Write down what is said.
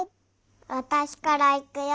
わたしからいくよ。